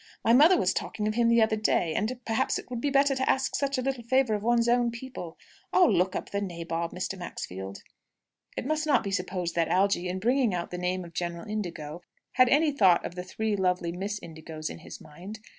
My mother was talking of him the other day, and, perhaps, it would be better to ask such a little favour of one's own people. I'll look up the nabob, Mr. Maxfield." It must not be supposed that Algy, in bringing out the name of General Indigo, had any thought of the three lovely Miss Indigos in his mind.